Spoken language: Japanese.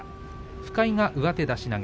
深井が上手出し投げ。